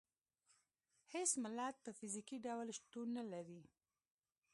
هېڅ ملت په فزیکي ډول شتون نه لري.